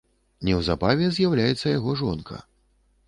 Неўзабаве з'яўляецца яго жонка.